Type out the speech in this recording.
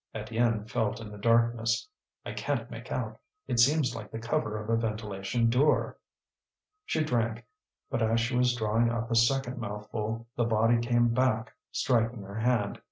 Étienne felt in the darkness. "I can't make out; it seems like the cover of a ventilation door." She drank, but as she was drawing up a second mouthful the body came back, striking her hand.